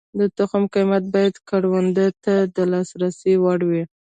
د تخم قیمت باید کروندګر ته د لاسرسي وړ وي.